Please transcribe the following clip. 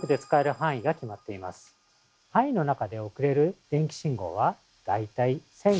範囲の中で送れる電気信号は大体１，５００万個です。